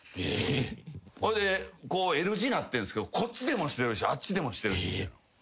ほいでこうＬ字なってんすけどこっちでもしてるしあっちでもしてる。